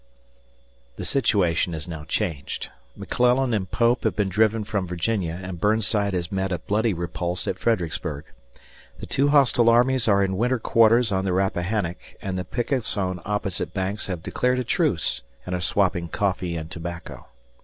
The situation is now changed. McClellan and Pope have been driven from Virginia, and Burnside has met a bloody repulse at Fredericksburg. The two hostile armies are in winter quarters on the Rappahannock, and the pickets on opposite banks have declared a truce and are swapping coffee and tobacco.